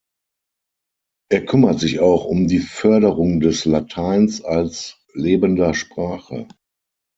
Er kümmert sich auch um die Förderung des Lateins als lebender Sprache.